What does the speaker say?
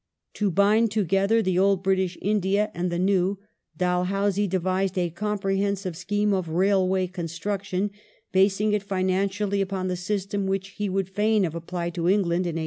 To bind together the old British India and the new, Dalhousie devised a comprehensive scheme of railway construction, basing it financially upon the system which he would fain have applied to England in 1844.